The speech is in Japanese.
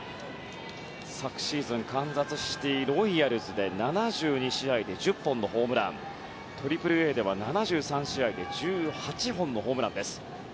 昨シーズン、カンザスシティー・ロイヤルズで７２試合で１０本のホームラン３Ａでは７３試合で１８本のホームランです。